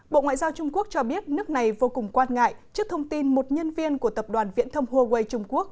bộ ngoại giao trung quốc cho biết nước này vô cùng quan ngại trước thông tin một nhân viên của tập đoàn viễn thông huawei trung quốc